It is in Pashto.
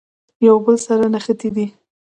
یو بل سره نښتي دي.